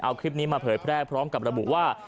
เอาคลิปนี้มาเผยแพร่พร้อมกับระบุว่า